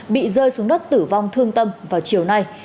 bị rơi xuống đất tử vong thương tâm vào chiều nay